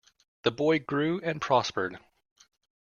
The boy grew and prospered.